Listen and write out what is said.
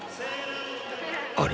あれ？